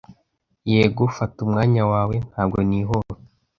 Yego, fata umwanya wawe. Ntabwo nihuta.